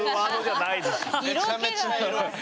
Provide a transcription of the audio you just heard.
めちゃめちゃエロい。